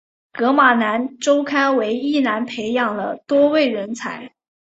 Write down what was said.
噶玛兰周刊为宜兰培养了多位人才。